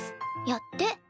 やって。